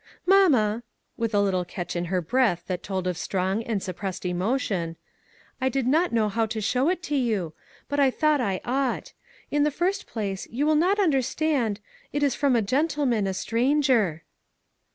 " Mamma," with a little catch in her breath that told of strong and suppressed emotion, "I did not know how to show it to you, but I thought I ought. In the first place, you will not understand — it is from a gentleman, a stranger."